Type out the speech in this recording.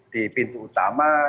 di pintu utama